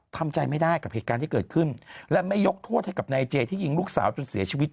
ทำใจไม่ได้กับเหตุการณ์ที่เกิดขึ้นและไม่ยกโทษให้กับนายเจที่ยิงลูกสาวจนเสียชีวิต